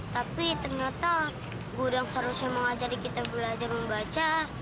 tapi ternyata guru yang seharusnya mengajari kita belajar membaca